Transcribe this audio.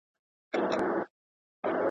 خلک وايي چې دا ارزانه جوړ شوی.